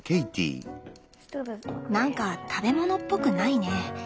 何か食べ物っぽくないね。